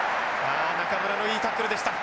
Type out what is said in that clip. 中村のいいタックルでした。